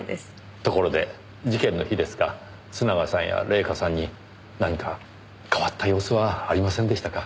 ところで事件の日ですが須永さんや礼夏さんに何か変わった様子はありませんでしたか？